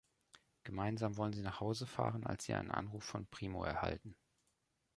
Gemeinsam wollen sie nach Hause fahren, als sie einen Anruf von Primo erhalten.